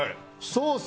ソース